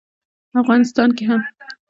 افغانستان کې هم